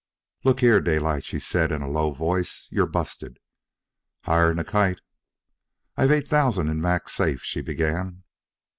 "Look here, Daylight," she said, in a low voice, "you're busted." "Higher'n a kite." "I've eight thousand in Mac's safe " she began.